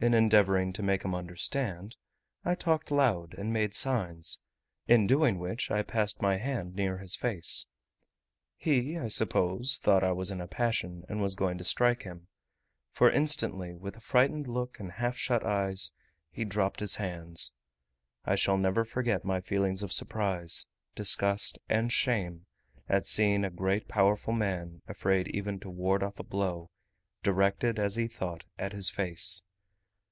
In endeavouring to make him understand, I talked loud, and made signs, in doing which I passed my hand near his face. He, I suppose, thought I was in a passion, and was going to strike him; for instantly, with a frightened look and half shut eyes, he dropped his hands. I shall never forget my feelings of surprise, disgust, and shame, at seeing a great powerful man afraid even to ward off a blow, directed, as he thought, at his face.